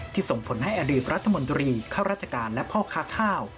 ส่งผลให้อดีตรัฐมนตรีข้าราชการและพ่อค้าข้าว